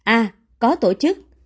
a có tổ chức